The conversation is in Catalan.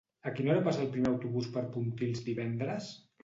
A quina hora passa el primer autobús per Pontils divendres?